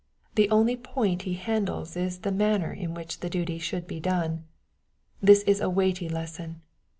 The only point He handles is the man ner in which the duty should be done. This is a weighty lesson.